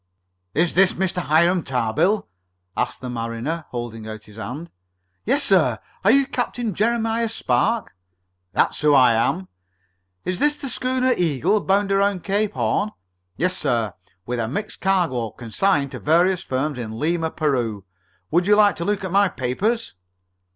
"Is this Mr. Hiram Tarbill?" asked the mariner, holding out his hand. "Yes, sir. Are you Captain Jeremiah Spark?" "That's who I am." "Is this the schooner Eagle, bound around Cape Horn?" "Yes, sir, with a mixed cargo consigned to various firms in Lima, Peru. Would you like to look at my papers?"